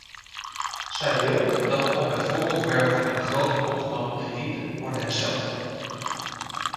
Zij wil dat de op het voorontwerp van begroting opgenomen kredieten worden hersteld.